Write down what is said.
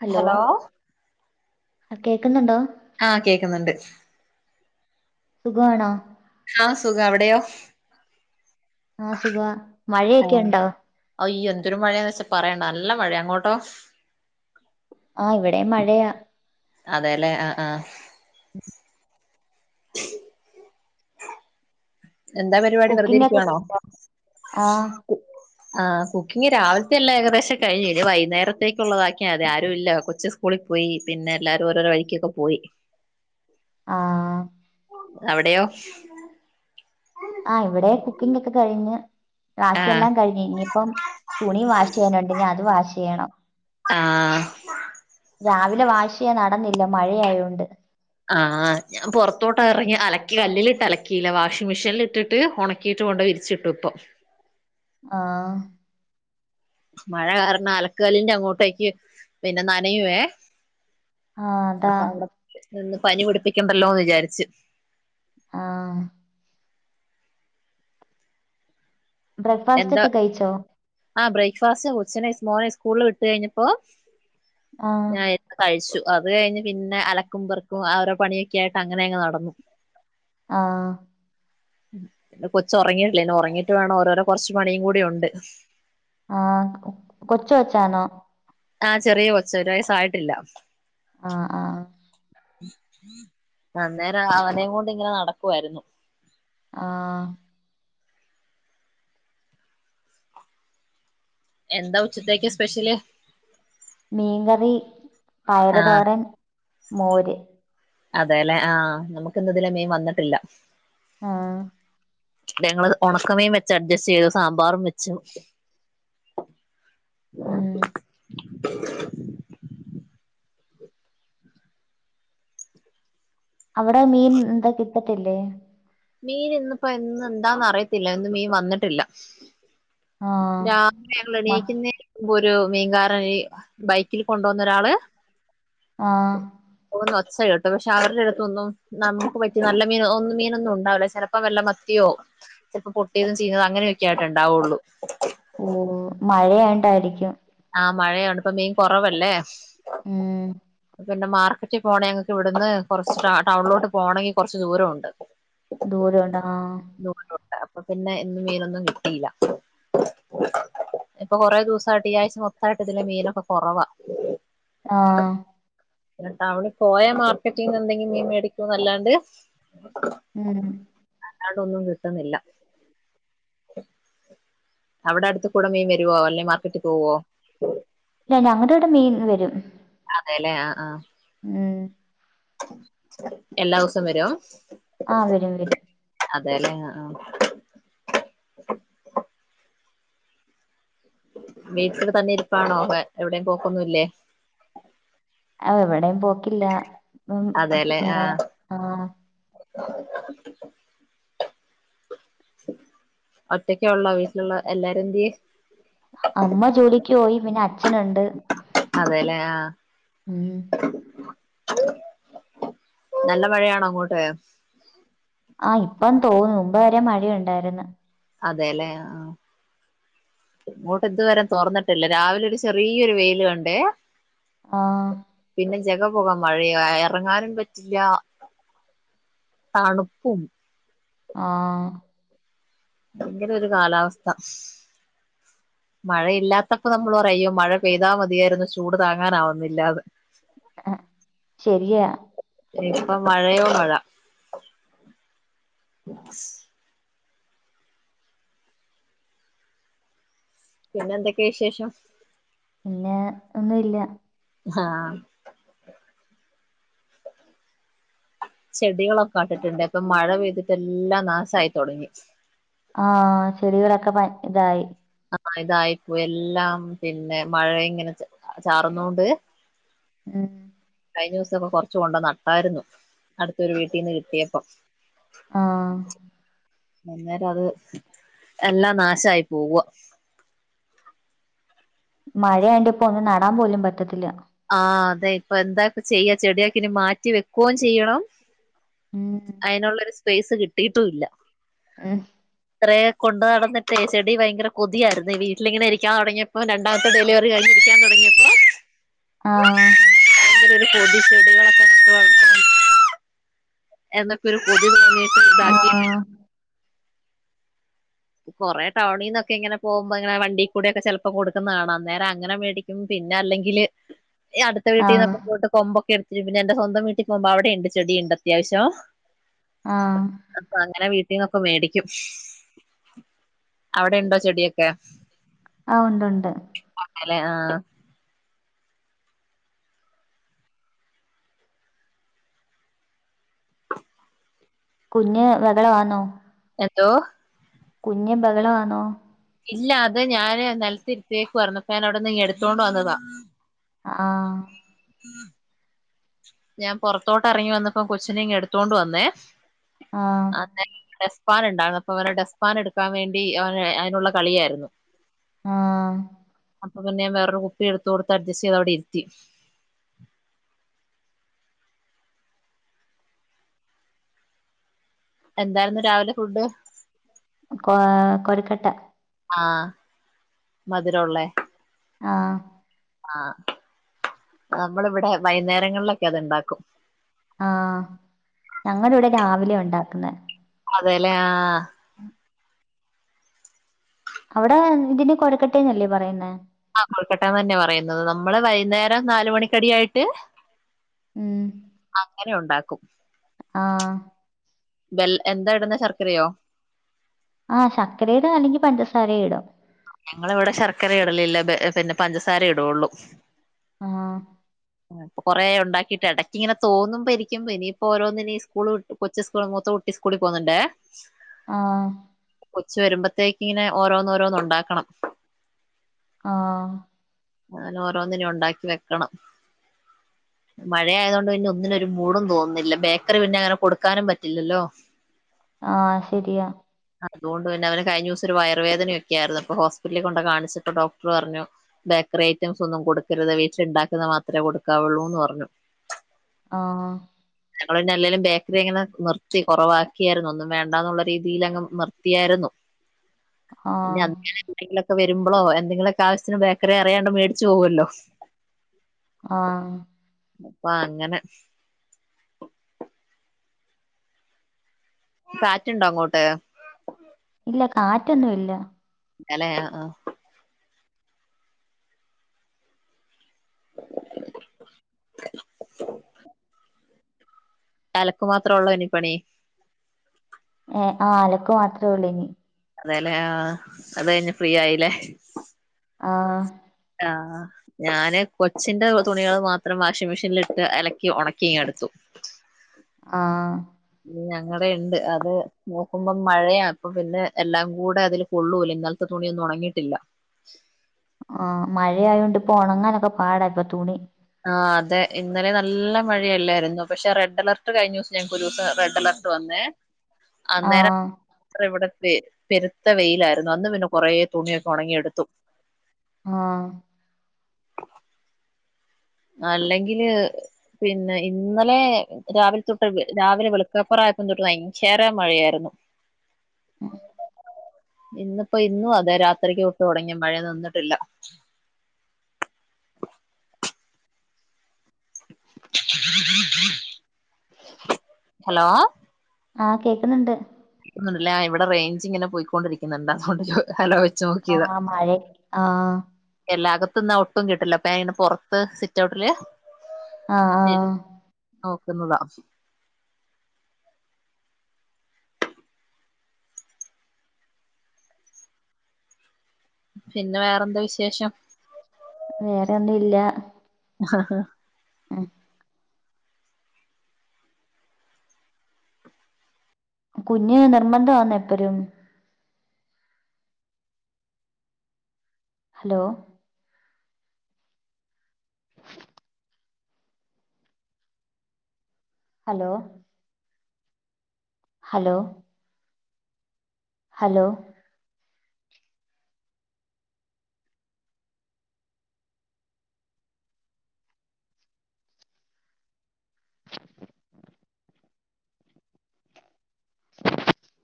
Hello ആ കേക്കുന്നുണ്ടോ ആഹ് കേക്കുന്നുണ്ട് സുഖാണോ ആഹ് സുഖം അവിടെയോ ആഹ് സുഖവാ മഴയൊക്കെ ആഹ് ഉണ്ടോ അയ്യോ എന്തൊരു മഴയാന്ന് വെച്ചാ പറയണ്ട നല്ല മഴയാ അങ്ങോട്ടോ ആഹ് ഇവിടെ മഴയാ അതേലേ ആഹ് ആഹ് എന്താ പരു കുക്കിംഗ് ഒക്കെ കഴിഞ്ഞോആഹ് ആ കുക്കിംഗ് രാവിലെത്തെ എല്ലാം ഏകദേശം കഴിഞ്ഞ് ഇനി വൈുന്നേരത്തേക്ക് ഉള്ളതാക്കിയാ മതിഅതെ ആരും ഇല്ല കൊച്ച് സ്കൂളിൽ പോയി പിന്നെല്ലാരും ഓരോരോ വഴിക്കക്കൊക്കെ പോയി. ആഹ് അവിടെയോ ആ ഇവിടെ കുക്കിങ്ങോക്കെ കഴിഞ്ഞ് ആഹ് ബാക്കിയെല്ലാം കഴിഞ്ഞെനിയിപ്പം തുണി വാഷ് ചെയ്യണുണ്ട് ഇനി അത് വാഷ് ചെയ്യണം ആഹ് രാവിലെ വാഷെയ്യാ നടന്നില്ല മഴയായൊണ്ട് ആഹ് ഞാൻ പുറത്തോട്ട് ഇറങ്ങി അലക്കി കല്ലില്ലിട്ടലക്കിയില്ല വാഷിംഗ് മെഷീനൽ ഇട്ടിട്ട് ഉണ ക്കിയിട്ട് കൊണ്ടോയി വിരിച്ചിട്ടു ഇപ്പം ആഹ് മഴ കാരണം അലക്കലിന്റെ അങ്ങോട്ടേക്ക് പിന്നെ നനയുവേ ആഹ് അതാ അപ്പൊ അവിടെ നിന്ന് പനി പിടിപ്പിക്കണ്ടല്ലോന്ന് വിചാരിച്ച്. ആഹ് എന്താ ബ്രേക്ക്ഫാസ്‌റ്റോക്കെ കഴിച്ചോ ആ ബ്രേക്ക്ഫാസ്റ്റ് കൊച്ചിനെ മോളെ സ്കൂളിൽ വിട്ട് കഴിഞ്ഞപ്പോ ആഹ് കാ കഴിച്ചു അത് കഴിഞ്ഞ് പിന്നെ അലക്കുമ്പർക്കും ആ ഒരു പണിയൊക്കെ ആയിട്ട് അങ്ങനെ അങ്ങ് നടന്നു. ആഹ് പിന്നെ കൊച്ചൊറങ്ങിയിട്ടില്ലേനു ഉറങ്ങിട്ട് വേണം ഓരോരോ കൊറച്ച് പണിയും കൂടെ ഉണ്ട് ആഹ് കൊച്ചുകൊച്ചാനോ ആഹ് ചെറിയ കൊച്ച ഒരു വയസ്സായിട്ടില്ല ആഹ് ആഹ് അന്നേരം അവനയും കൊണ്ടിങ്ങനെ നടക്കുവായിരുന്നു ആഹ് എന്താ ഉച്ചത്തേക്ക് സ്പെഷ്യല് മീൻകറി ആ പയറ്തോരൻ മോര് അതേല്ലെ ആഹ് നമ്മക്ക് ഇന്നിതിലെ മീൻ വന്നിട്ടില്ല ആഹ് ഞങ്ങള് ഉണക്കമീൻ വെച്ചഡ്ജസ്റ്റ് ചെയ്തു സാമ്പാറും വെച്ചു ഉം [inaudible] അവിടെ മീൻ എന്താ കിട്ടത്തില്ലേ മീനിന്നിപ്പോ ഇന്നെന്താന്ന് അറിയത്തില്ല ഇന്ന് മീൻ വന്നിട്ടില്ല ആഹ് രാവിലെ ഞങ്ങ മ എണീക്കുന്നേനുമ്പ് ഒരു മീൻകാരനീ ബൈക്കിൽ കൊണ്ട് വന്നൊരാള് ആഹ് പോന്ന ഒച്ചാകേട്ടു പക്ഷെ അവരുടെ അടുത്തൊന്നും നമുക്ക് പറ്റിയ നല്ല മീനൊ ഒന്നും മീനൊന്നും ഉണ്ടാവില്ല ചെലപ്പോ വെല്ല മത്തിയോ ചെലപ്പൊ പൊട്ടിയതോ ചീഞ്ഞതോ അങ്ങനെയൊക്കെ ആയിട്ടൊണ്ടാവൊള്ളൂ ഓഹ് മഴയായോണ്ടായിരിക്കും ആഹ് മഴയാണ് ഇപ്പം മീൻ കൊറവല്ലേ ഉം പിന്നെ മാർക്കറ്റി പോണെ ഞങ്ങക്കിവിടുന്ന് കൊറച്ച് ടാ ടൗണിലോട്ട് പോണെങ്കി കൊറച്ച് ദൂരോണ്ട് ദൂരോണ്ട് ആഹ് ദൂരോണ്ട് അപ്പ പിന്നെ ഇന്ന് മീനൊന്നും കിട്ടിയില്ല ഇപ്പൊ കൊറേ ദൂസായിട്ട് ഈ ആഴ്ച മൊത്തായിട്ട് ഇതിലെ മീനൊക്കെ കൊറവാ ആഹ് പിന്നെ ടൗണി പോയ മാർക്കറ്റീന്നെന്തെങ്കിലും മീൻ മേടിക്കുന്നല്ലാണ്ട് ഉം അല്ലാണ്ടൊന്നും കിട്ടുന്നില്ല അവിടടുത്ത് കൂടെ മീൻ വരുവോ അല്ലേ മാർക്കറ്റി പോവോ ഇല്ല ഞങ്ങടിവിടെ മീൻ വെരും അതേല്ലെ ആഹ് ആഹ് ഉം എല്ലാ ദിവസോം വര്വോ ആഹ് വെരും വെരും അതേല്ലെ ആഹ് ആഹ് വീട്ടില് തന്നെ ഇരിപ്പാണോ ഏഹ് എവിടേം പോക്കൊന്നുംല്ലേ ആഹ് എവിടേം പോക്കില്ലാ ഉം അതെല്ലെ ഞാ ആ ആഹ് ഒറ്റക്കേ ഒള്ളോ വീട്ടിലുള്ള എല്ലാരും എന്ത്‌യേ അമ്മ ജോലിക്ക് പോയി പിന്നെ അച്ഛനൊണ്ട് അതെല്ലെ ആ ഉം നല്ല മഴയാണോ അങ്ങോട്ട് ആഹ് ഇപ്പം തോര്ന്നു മുമ്പേ വരെ മഴയുണ്ടാര്ന്ന് അതെല്ലേ ആഹ് ഇങ്ങോട്ട് ഇതുവരെ തോർന്നിട്ടില്ല രാവിലെ ഒരു ചെറിയൊരു വെയില് കണ്ടേ ആഹ് പിന്നെ ജഗം പോകാൻ മഴയാ എറങ്ങാനും പറ്റില്ല തണുപ്പും ആഹ് ഭയങ്കരം ഒരു കാലാവസ്ഥ മഴയില്ലാത്തപ്പോ നമ്മള് പറയും അയ്യോ മഴ പെയ്താ മതിയാരുന്നു ചൂട് താങ്ങാനാവുന്നില്ലാന്ന് ആഹ് ശെരിയാ ഇപ്പം മഴയോ മഴ പിന്നെന്തക്ക്യാ വിശേഷം പിന്നേ ഒന്നുവില്ല്യ ആഹ് ചെടികളൊക്കെ നട്ടിട്ട്ണ്ട് ഇപ്പം മഴ പെയ്തിട്ടെല്ലാം നാശായി തൊടങ്ങി ആഹ് ചെടികളക്കെ പൻ ഇതായി അഹ് അഹ് ഇതായിപ്പോയി എല്ലാം പിന്നെ മഴ ഇങ്ങനെ ചാ ചാറ്ന്നോണ്ട് ഉം കഴിഞ്ഞൂസൊക്കെ കൊറച്ച് കൊണ്ട് നട്ടാരുന്നു അടുത്തൊരു വീട്ടിന്ന് കിട്ടിയപ്പം ആഹ് അന്നേരം അത് എല്ലാം നാശായി പോവ. മഴയായോണ്ട് ഇപ്പൊ ഒന്നും നടാൻ പോലും പറ്റത്തില്ല. ആ അതെ. ഇപ്പൊ എന്താപ്പ ചെയ്യാ ചെടിയൊക്കെ ഇനി മാറ്റി വെക്ക്വായും ചെയ്യണം. ഉം അയ്നുള്ളൊരു സ്പേയ്സ് കിട്ടീട്ടും ഇല്ല. ഉം ഇത്രേ കൊണ്ടു നടന്നിട്ട് ചെടി ഭയങ്കര കൊതിയായിരുന്നു വീട്ടിലിങ്ങനെ ഇരിക്കാൻ തൊടങ്ങിയ ഇപ്പൊ രണ്ടാമത്തെ ഡെലിവറി കഴഞ്ഞിരിക്കാൻ തൊടങ്ങിയപ്പൊ. ആഹ് കോതി ചെടികളൊക്കെ നട്ട് വളർത്തണംന്ന്. എന്നൊക്കെ ഒരു കൊതി തോന്നിയിട്ട് ഇതാക്കി. ആഹ് കൊറേ ടൗണീന്നൊക്കെ ഇങ്ങെനെ പോകുമ്പോങ്ങനെ വണ്ടീകൂടെ ഒക്കെ ചെലപ്പം കൊടുക്കുന്നത് കാണ അന്നേരം അങ്ങനെ മേടി പിന്നെ അല്ലെങ്കില് അടുത്ത ആഹ് വീട്ടിൽന്നൊക്കെ പോയിട്ട് കൊമ്പൊക്കെ എടു പിന്നെ എന്റെ സ്വന്തം വീട്ടി പോകുമ്പൊ അവിടെ ഇണ്ട് ചെടി ഇണ്ട് അത്യാവശ്യം. ആഹ് അപ്പൊ അങ്ങനെ വീട്ടീന്നൊക്കെ മേടിക്കും. അവിടെ ഇണ്ടോ ചെടിയൊക്കെ. ആ ഉണ്ട് ഉണ്ട്. ഉണ്ടല്ലെ ആഹ് കുഞ്ഞ് വെകള വാന്നോ. എന്തോ. കുഞ്ഞ് ബഹളമാണൊ. ഇല്ല. അത് ഞാന് നിലത്ത് ഇരുത്ത്യേക്കുവാർന്നു. ഇപ്പോ ഞാനവിട്ന്ന് എടുത്തോണ്ട് വന്നതാ. ആഹ്. ഉം ഞാൻ പൊറത്തോട്ട് എറങ്ങി വന്നപ്പം കൊച്ചിനെ ഇങ്ങ് എടുത്തോണ്ട് വന്നേ. ആഹ്. [unintelligible] ന്ന ഡെസ്പാൻ ഉണ്ടാരുന്നു. അപ്പൊ അവരെ ഡെസ്പാൻ എടുക്കാൻ വേണ്ടി അവ അയ്നുള്ള കളിയായിരുന്നു. ആഹ്. അപ്പൊ പിന്നെ വേറൊരു കുപ്പി എടുത്ത് കൊടുത്ത് അഡ്ജസ്റ്റ് ചെയ്ത് അവിടെ ഇരുത്തി. എന്തായിരുന്നു രാവിലെ ഫുഡ്? കൊ കൊരക്കട്ട. ആഹ് മധുരോ ഉള്ളേ. ആഹ്. ആ നമ്മളെവെടെ വൈന്നേരങ്ങളിലൊക്കെ അത്ണ്ടാക്കും. ആഹ് ഞങ്ങള് ഇവിടെ രാവിലെ ഉണ്ടാക്കുന്നെ. അതെലേ ആ. ഉം അവിടെ ഇതിന് കൊരക്കട്ടേന്നല്ലെ പറയുന്നെ? ആ കൊൽക്കട്ടന്ന് തന്നെ പറയുന്നത്. നമ്മളെ വൈന്നേരം നാല് മണിക്കടിയായിട്ട്. ഉം അങ്ങനെ ഉണ്ടാക്കും. ആഹ്. ബെൽ എന്താ ഇടുന്നെ ശർക്കരയോ? ആഹ് ശക്കരേടും അല്ലെങ്കി പഞ്ചസാര ഇടും. ഞങ്ങളെ ഇവിടെ ശർക്കര ഇടലില്ല പിന്നെ പഞ്ചസാരേ ഇടൊള്ളൂ. ആഹ്. ഏ ഇപ്പ കൊറേ ഉണ്ടാക്കിയിട്ടെടക്ക്‌ ങ്ങനെ തോന്നുമ്പ രിക്കുമ്പ ഇനിയിപ്പോ ഓരോ ന്നിനീ സ്കൂള് വിട്ട് കൊച്ച് സ്കൂൾ മൂത്ത കുട്ടി സ്കൂളി പോകുന്നുണ്ടേ. ആഹ്. കൊച്ച് വരുമ്പത്തേക്കിങ്ങനെ ഓരോന്നോരോന്നുണ്ടാക്കണം. ആഹ്. അങ്ങനെ ഓരോന്നിനി ഉണ്ടാക്കി വെക്കണം. മഴയായത് കൊണ്ട് പിന്നെ ഒന്നിനും ഒരു മൂടും തോന്നുന്നില്ല. ബേക്കറി പിന്നെ അങ്ങനെ കൊടുക്കാനും പറ്റില്ലല്ലോ. ആഹ് ശരിയാ. അതുകൊണ്ട് തന്നെ അവന് കയിഞ്ഞ ദിവസം ഒര് വയർവേദന യൊക്കെയാർന്ന് രുന്നു. ഹോസ്പിറ്റലിൽ കൊണ്ട കാണിച്ചിട്ട് ഡോക്ടർ പറഞ്ഞു. ബേക്കറി ഐറ്റംസ് ഒന്നും കൊടുക്കരുത് വീട്ടില്ണ്ടാക്കുന്നത് മത്രേ കൊടുക്കാവുള്ളൂന്ന് പറഞ്ഞു. ആഹ്. ഞങ്ങന്നെ ല്ലേലും ബേക്ക്‌ല് ങ്ങനെ നിർത്തി കുറവാക്കിയായിരുന്നു. ഒന്നും വേണ്ടാന്നുള്ള രീതിയിലങ്ങ് നിർത്തിയാര്ന്നു. [inaudible] പിന്ന ആഹ് ങ്ങനെ. രെങ്കിലൊക്കെ വരുമ്പളോ എന്തെങ്കിലൊക്കാ വശ്യത്തിന് ബേക്കറി അറിയാണ്ട് മേടിച്ചു പോവു ല്ലോ. ആഹ്. അപ്പ അങ്ങനെ. ഹ് കാറ്റ് ണ്ടോ അങ്ങോട്ട്? ഇല്ല കാറ്റൊന്നു ല്ല. ഇലേ ആഹ്അ. [inaudible] അലക്ക് മാത്രോള്ളൂ ഇനി പണി. ഏ ആ അലക്ക് മാത്ര ള്ളൂ നി. അതേലേ ആഹ് അത് കയി ഞ്ഞ ഫ്രീ ആയിലേ. ഹ് ആഹ്. ആ ഹ്. ഞാന് കൊച്ചിന്റെ തുണികൾ മാത്രം വാഷിംഗ് മെഷീനിലിട്ട് അലക്കി ഉണക്കി ങ്ങെടുത്തു. [inaudible] ആഹ്. ഉം ഞങ്ങളടെയ്ണ്ട് അത് നോക്കുമ്പം മഴയാ. അപ്പ പിന്നെ എല്ലാ കൂടെ അതില്. കൊള്ളൂല. ഇന്നലെത്തെ തുണിയൊന്നും ഒണങ്ങീട്ടില്ല. ആഹ്, മഴയായോണ്ട് പ്പൊ ണങ്ങാനൊക്കെ പാടാ പ്പൊ തുണി. ആഹ്, അതെ ഇന്നലെ നല്ല മഴയല്ലായിരുന്നോ. പക്ഷെ റെഡ് അലർട്ട് കഴിഞ്ഞ ദിവസം ഞങ്ങക്കൊരൂസം റെഡ് അലർ ട്ട് വന്നേ അന്നേരം. ആഹ് അത്ര ഇവിടെ പെ, പെരുത്ത വെയിലായിരുന്നു. അന്ന് പിന്നെ കുറേ തുണിയൊക്കെ ഉണങ്ങിയെടുത്തു. ആഹ് നല്ലെങ്കില് പിന്നെ, ഇന്നലെ. രാവിലെ തൊട്ട് രാവിലെ വെളുക്കാപ്പുറായപ്പം തൊട്ട് ഭയഞ്ചര മഴയായിരുന്നു. ഉം ഇന്ന്പ്പോ ഇന്നു അതെ രാത്രിക്ക് തൊട്ടു ടങ്ങിയ മഴ നിന്നിട്ടില്ല. ഹലോ. ആ കേക്കുന്ന്ണ്ട്. ന്ന് ണ്ട്ലാഇവിടെ റൈഞ്ച് ങ്ങനെ പോയിക്കൊണ്ടിരിക്കുന്നുണ്ട്. അതുകൊണ്ട് ചോ ഹലോ ആഹ്, മഴെ ആഹ്. എല്ലാ അകത്ത്ന്നാ ഒട്ടും കിട്ടില്ല. അപ്പ ഞാനങ്ങനെ പുറത്ത് സിറ്റൗട്ടില്. ആ ആഹ്. ഇരുന്ന് നോക്കുന്നതാ. പിന്നെ വേറെന്താ വിശേഷം. വേറെന്നുല്ലാ. ഹ ഹാ. അഹ് കുഞ്ഞ് നിർബന്ധമാന്നെ എപ്പഴും ഹലോ? ഹലോ? ഹലോ? ഹലോ? [inaudible] [unintelligible]